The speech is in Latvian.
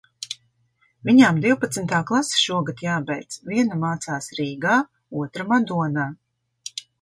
Viņām divpadsmitā klase šogad jābeidz. Viena mācās Rīgā, otra - Madonā.